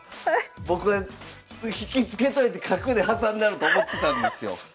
僕は引き付けといて角で挟んだろと思ってたんですよ。